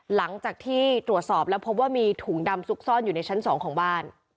หลังจากที่ตรวจสอบแล้วพบว่ามีถุงดำซุกซ่อนอยู่ในชั้น๒ของบ้าน